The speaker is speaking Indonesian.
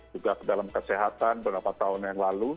juga dalam kesehatan beberapa tahun yang lalu